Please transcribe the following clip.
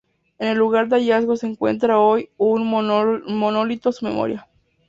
En el lugar del hallazgo se encuentra hoy un monolito a su memoria.